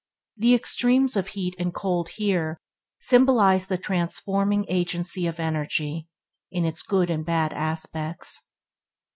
The extremes of heat and cold here symbolize the transforming agency of energy, in its good and bad aspects.